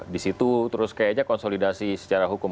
disitu terus kayaknya konsolidasi secara hukum